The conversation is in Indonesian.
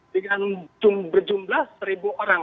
dengan berjumlah seribu orang